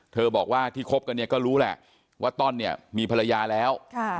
บอกว่าที่คบกันเนี่ยก็รู้แหละว่าต้อนเนี่ยมีภรรยาแล้ว